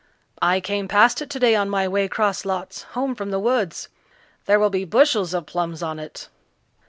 "I came past it today on my way 'cross lots home from the woods. There will be bushels of plums on it."